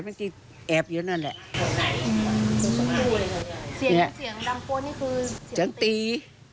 เสียงตี